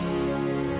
elah baterai pake